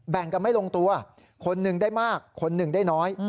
แบ่งกันไม่ลงตัวคนหนึ่งได้มากคนหนึ่งได้น้อย